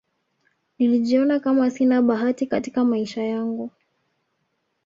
nilijiona Kama sina bahati Katika maisha yangu